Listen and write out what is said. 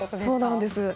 そうなんです。